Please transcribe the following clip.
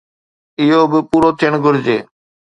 اهو به پورو ٿيڻ گهرجي.